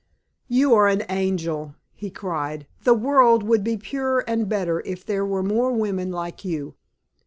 "You are an angel!" he cried. "The world would be purer and better if there were more women like you."